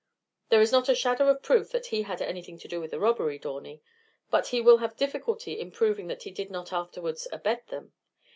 "There is not a shadow of proof that he had anything to do with the robbery, Dawney, but he will have difficulty in proving that he did not afterwards abet them.